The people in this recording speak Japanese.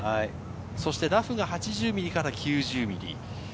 ラフが８０ミリから９０ミリ。